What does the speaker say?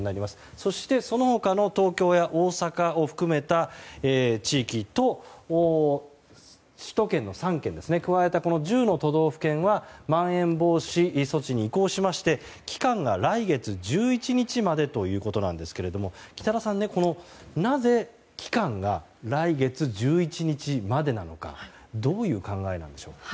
そして、その他の東京や大阪を含めた地域と首都圏の３県を加えた１０の都道府県はまん延防止措置に移行しまして期間が来月１１日までということですが北田さん、なぜ期間が来月１１日までなのかどういう考えなんでしょうか？